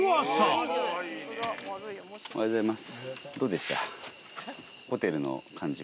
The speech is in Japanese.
おはようございます。